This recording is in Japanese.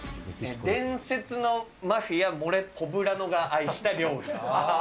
伝説のマフィア、モレ・ポブラノが愛した料理。